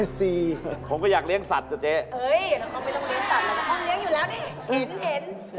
น้องคอมไม่ต้องเลี้ยงสัตว์น้องคอมเลี้ยงอยู่แล้วนี่เห็น